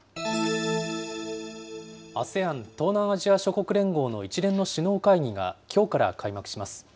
ＡＳＥＡＮ・東南アジア諸国連合の一連の首脳会議がきょうから開幕します。